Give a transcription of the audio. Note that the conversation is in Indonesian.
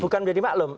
bukan menjadi maklum